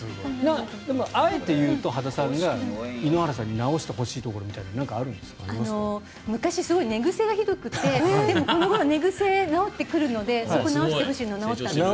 でも、あえていうと羽田さんが井ノ原さんに直してほしいところ昔、すごい寝癖がひどくてでも、この頃寝癖が直ってくるので直してほしいところは直ったんです。